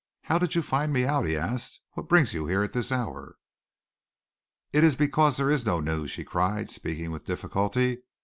"How did you find me out?" he asked. "What brings you here at this hour?" "It is because there is no news," she cried, speaking with difficulty.